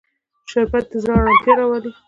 شربت د زړه ارامتیا راولي